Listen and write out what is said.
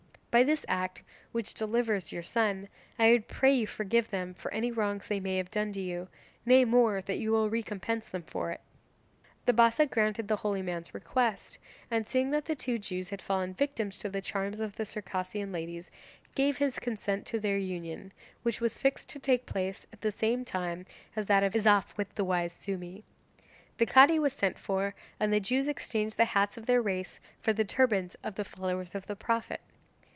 By this act, which delivers your son, I would pray you to forgive them for any wrongs they may have done you nay more, that you will recompense them for it.' The Bassa granted the holy man's request, and seeing that the two Jews had fallen victims to the charms of the Circassian ladies, gave his consent to their union, which was fixed to take place at the same time as that of Izaf with the wise Sumi. The Cadi was sent for, and the Jews exchanged the hats of their race for the turbans of the followers of the Prophet.